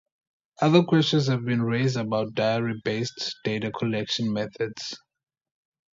Other questions have been raised about diary-based data collection methods.